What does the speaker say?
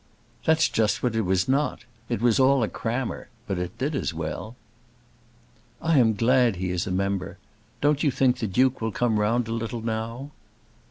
"That's just what it was not. It was all a crammer. But it did as well." "I am glad he is a member. Don't you think the Duke will come round a little now?"